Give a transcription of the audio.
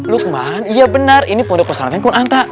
luqman iya benar ini pondok pesantren kunanta